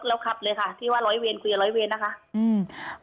แล้วขับเลยค่ะที่ว่าร้อยเวรคุยกับร้อยเวรนะคะอืม